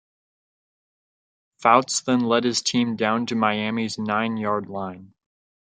Fouts then led his team down to Miami's nine-yard line.